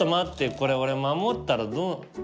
これ俺守ったら。